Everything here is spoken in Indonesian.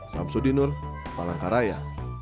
sam sudinur palangkaraya